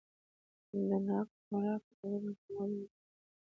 د ناک خوراک د وزن کمولو کې مرسته کوي.